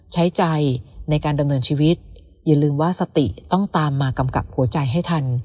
ใช้ใจในการดำเนินชีวิตอย่าลืมว่าสติต้องตามมากำกับหัวใจให้ทัน